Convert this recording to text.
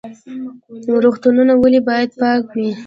روغتونونه ولې باید پاک وي؟